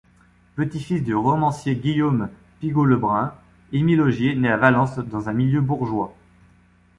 Petit-fils du romancier Guillaume Pigault-Lebrun, Émile Augier naît à Valence dans un milieu bourgeois.